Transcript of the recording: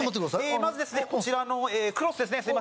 まずですねこちらのクロスですね